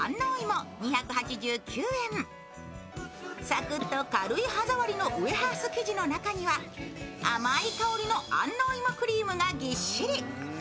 サクッと軽い歯触りのウエハース生地の中には甘い香りの安納芋クリームがぎっしり。